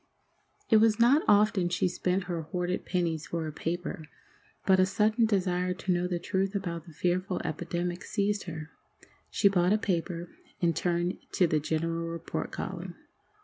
It was not often she spent her hoarded pennies for a paper, but a sudden desire to know the truth about the fearful epidemic seized her. She bought a paper, and turned to the general report column.